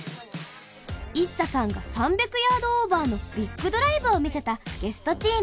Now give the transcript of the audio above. ＩＳＳＡさんが３００ヤードオーバーのビッグドライブをみせたゲストチーム。